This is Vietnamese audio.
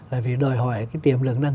là vì đòi hỏi cái tiềm lực